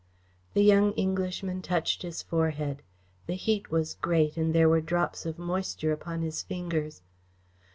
The young Englishman touched his forehead. The heat was great and there were drops of moisture upon his fingers.